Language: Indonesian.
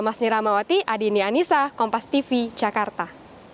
mas nira mawati adin yanisa kompas tv jakarta